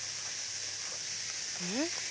うん？